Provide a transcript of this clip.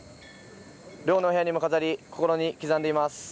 寮の部屋にも飾り心に刻んでいます。